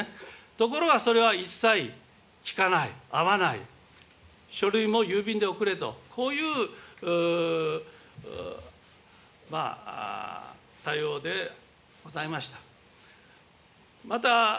ところがそれは一切聞かない、会わない、書類も郵便で送れと、こういう対応でございました。